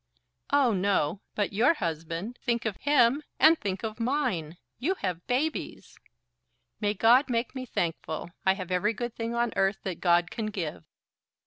"Oh no; but your husband; think of him, and think of mine! You have babies." "May God make me thankful. I have every good thing on earth that God can give."